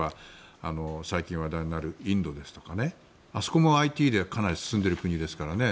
最近話題になるインドとかあそこもＩＴで、かなり進んでいるところですから。